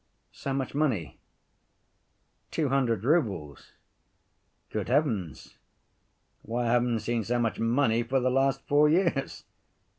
So much money—two hundred roubles! Good heavens! Why, I haven't seen so much money for the last four years!